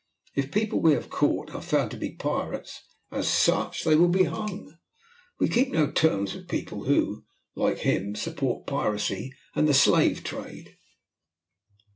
If the people we have caught are found to be pirates, as such they will be hung. We keep no terms with people who, like him, support piracy and the slave trade."